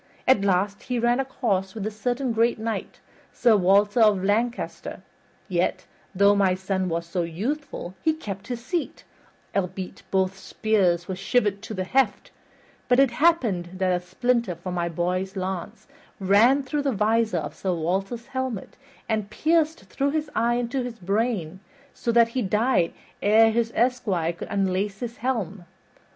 At last he ran a course with a certain great knight, Sir Walter of Lancaster, yet, though my son was so youthful, he kept his seat, albeit both spears were shivered to the heft; but it happened that a splinter of my boy's lance ran through the visor of Sir Walter's helmet and pierced through his eye into his brain, so that he died ere his esquire could unlace his helm.